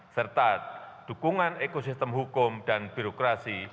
serta dukungan ekosistem hukum dan birokrasi